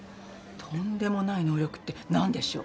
とんでもない能力って何でしょう？